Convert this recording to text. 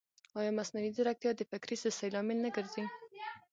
ایا مصنوعي ځیرکتیا د فکري سستۍ لامل نه ګرځي؟